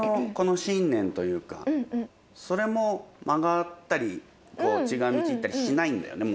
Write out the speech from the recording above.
というかそれも曲がったり違う道行ったりしないんだよね。